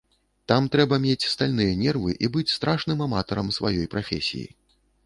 Там трэба мець стальныя нервы і быць страшным аматарам сваёй прафесіі.